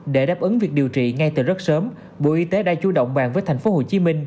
để đáp ứng việc điều trị ngay từ rất sớm bộ y tế đã chủ động bàn với tp hcm